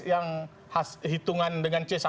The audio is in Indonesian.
yang hitungan dengan c satu